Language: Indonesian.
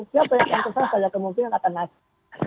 siapa yang akan kesal saya kemungkinan akan nasib